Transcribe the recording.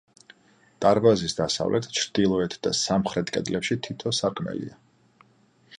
დარბაზის დასავლეთ, ჩრდილოეთ და სამხრეთ კედლებში თითო სარკმელია.